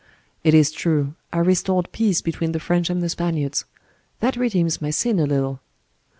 It is true, I restored peace between the French and the Spaniards. That redeems my sin a little."